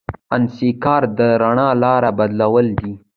انکسار د رڼا د لارې بدلول دي.